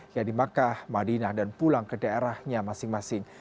ya di makkah madinah dan pulang ke daerahnya masing masing